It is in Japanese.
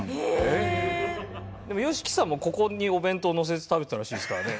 でもＹＯＳＨＩＫＩさんもここにお弁当をのせて食べてたらしいですからね。